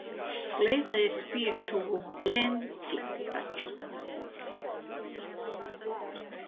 Kleitai es piešuvu lenci taču.